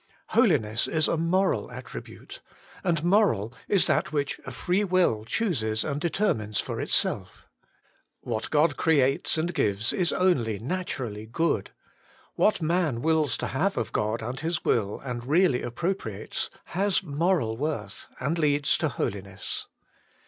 Holiness is a moral attri bute ; and moral is that which a free will chooses and determines for itself. What God creates and gives is only naturally good ; what man wills to have of God and His will, and really appropriates, has moral worth, and leads to holiness.